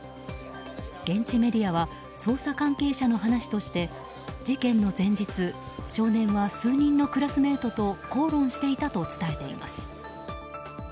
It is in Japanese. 現地メディアは捜査関係者の話として事件の前日、少年は数人のクラスメートと口論していたと伝えています。